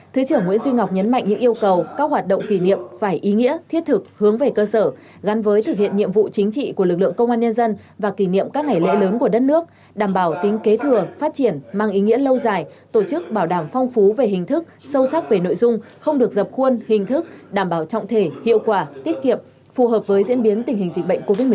thứ trưởng nguyễn duy ngọc nhấn mạnh những yêu cầu các hoạt động kỷ niệm phải ý nghĩa thiết thực hướng về cơ sở gắn với thực hiện nhiệm vụ chính trị của lực lượng công an nhân dân và kỷ niệm các ngày lễ lớn của đất nước đảm bảo tính kế thừa phát triển mang ý nghĩa lâu dài tổ chức bảo đảm phong phú về hình thức sâu sắc về nội dung không được dập khuôn hình thức đảm bảo trọng thể hiệu quả tiết kiệp phù hợp với diễn biến tình hình dịch bệnh covid một mươi chín